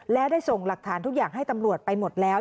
และได้ส่งหลักฐานทุกอย่างให้ตำรวจไปหมดแล้ว